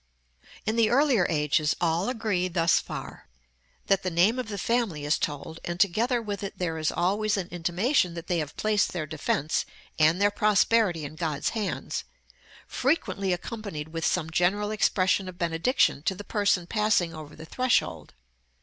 § LVI. "In the earlier ages, all agree thus far, that the name of the family is told, and together with it there is always an intimation that they have placed their defence and their prosperity in God's hands; frequently accompanied with some general expression of benediction to the person passing over the threshold.